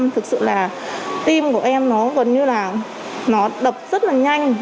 thực sự là tim của em nó gần như là nó đập rất là nhanh